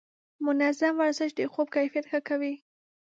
منظم ورزش د خوب کیفیت ښه کوي.